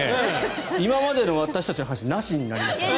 今までの私たちの話なしになりますから。